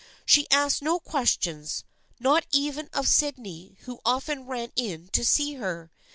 She asked no questions, not even of Sydney who often ran in to see her.